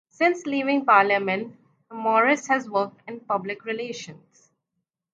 Since leaving Parliament, Morris has worked in public relations.